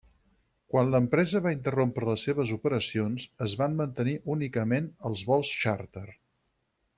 Quan l'empresa va interrompre les seves operacions, es van mantenir únicament els vols xàrter.